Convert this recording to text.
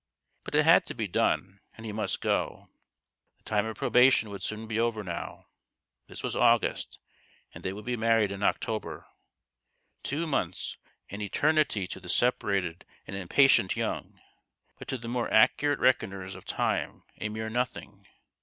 But it had to be done, and he must go. The time of probation would soon be over now. This was August, and they would be married in October. Two months an eternity to the separated and impatient young, but to the more accurate reckoners of time a mere nothing.